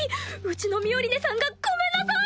うちのミオリネさんがごめんなさい！